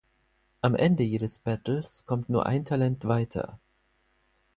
Am Ende jedes Battles kommt nur ein Talent weiter.